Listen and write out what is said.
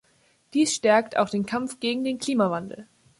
Dies stärkt auch den Kampf gegen den Klimawandel.